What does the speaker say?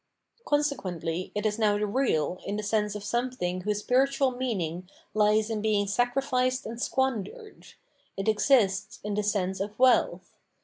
Consequently it is now the real in the sense of something whose spiritual mean ing lies in bemg sacrificed and squandered ; it exists in the sense of wealth.